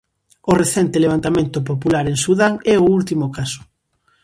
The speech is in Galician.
O recente levantamento popular en Sudán é o último caso.